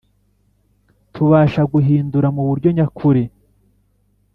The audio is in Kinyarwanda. tubasha guhindura mu buryo nyakuri